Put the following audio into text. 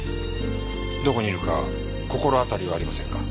どこにいるか心当たりはありませんか？